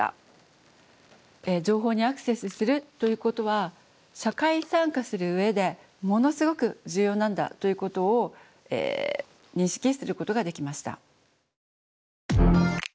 情報にアクセスするということは社会参加する上でものすごく重要なんだということを認識することができました。